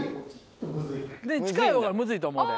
近い方がムズいと思うで。